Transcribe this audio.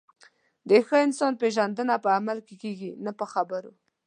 د ښه انسان پیژندنه په عمل کې کېږي، نه په خبرو.